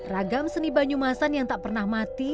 ragam seni banyumasan yang tak pernah mati